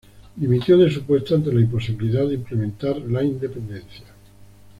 Dimitió de su puesto ante la imposibilidad de implementar la independencia.